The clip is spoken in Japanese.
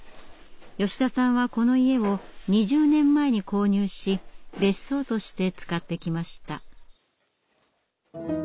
吉田さんはこの家を２０年前に購入し別荘として使ってきました。